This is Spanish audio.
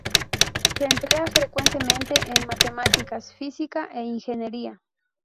Se emplea frecuentemente en matemáticas, física e ingeniería.